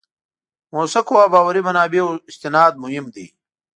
موثقو او باوري منابعو استناد مهم دی.